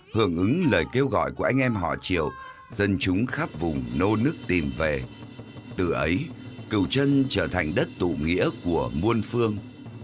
hưởng ứng lời kêu gọi của anh em họ triệu dân chúng khắp vùng nô nước tìm về từ ấy cửu trân trở thành đất tụ nghĩa của muôn phương